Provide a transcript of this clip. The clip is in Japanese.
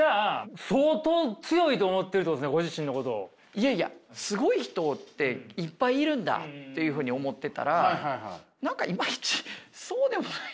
いやいやすごい人っていっぱいいるんだっていうふうに思ってたら何かイマイチそうでもない。